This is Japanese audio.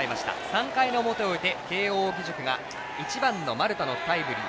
３回の表を終えて慶応義塾が１番の丸田のタイムリー。